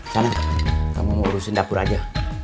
sana kamu urusin dapur aja